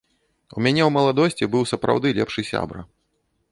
У мяне ў маладосці быў сапраўды лепшы сябра.